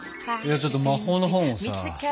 ちょっと魔法の本をさ。